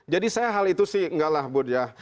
jadi saya hal itu sih nggak lah buat ya